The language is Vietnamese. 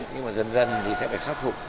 nhưng mà dần dần thì sẽ phải khắc phục